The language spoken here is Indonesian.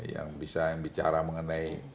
yang bisa bicara mengenai